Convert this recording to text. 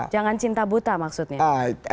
jangan cinta buta maksudnya